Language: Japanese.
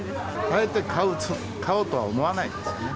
あえて買おうとは思わないですよね。